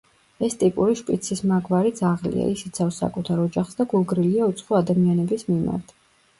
ეს ტიპური შპიცისმაგვარი ძაღლია, ის იცავს საკუთარ ოჯახს და გულგრილია უცხო ადამიანების მიმართ.